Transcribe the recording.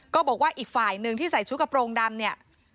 ก็บอกว่าอีกฝ่ายหนึ่งที่ใส่ชุดกระโปรงดำเนี่ย